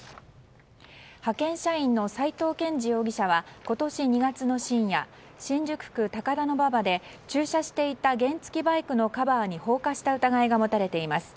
派遣社員の斎藤健慈容疑者は今年２月の深夜新宿区高田馬場で駐車していた原付きバイクのカバーに放火した疑いが持たれています。